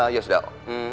ya sudah om